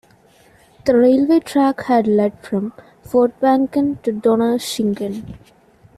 The railway track had led from Furtwangen to Donaueschingen.